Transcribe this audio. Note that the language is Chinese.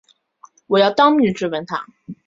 我要当面质问他